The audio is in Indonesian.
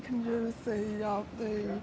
cara mereka menggunakan